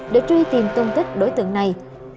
để truy tìm tôn tích đối tượng này